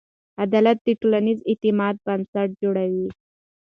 عدالت د ټولنیز اعتماد بنسټ جوړوي.